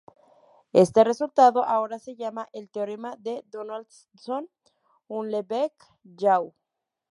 Este resultado ahora se llama el Teorema de Donaldson-Uhlenbeck-Yau.